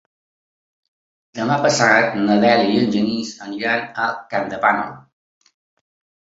Demà passat na Dèlia i en Genís iran a Campdevànol.